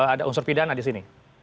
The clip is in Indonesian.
ada unsur pidana di sini